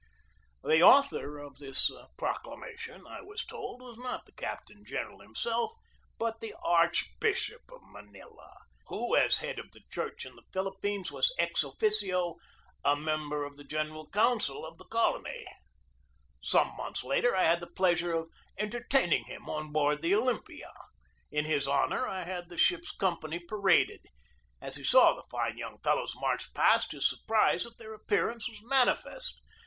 The author of this proclamation, I was told, was not the captain general himself, but the Archbishop of Manila, who as head of the church in the Philip pines was ex officio a member of the general council of the colony. Some months later I had the pleasure of entertaining him on board the Olympia. In his honor I had the ship's company paraded. As he saw the fine young fellows march past his surprise at their appearance was manifest.